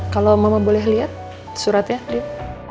kalau mama boleh lihat suratnya lift